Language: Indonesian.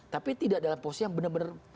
tapi tidak dalam posisi yang benar benar